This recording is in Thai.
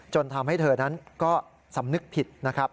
ทำให้เธอนั้นก็สำนึกผิดนะครับ